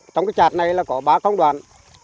trong cái chạt này là có ba công đoạn